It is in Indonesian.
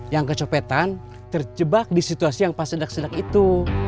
yang kecopetan terjebak di situasi yang pas sedak sedak itu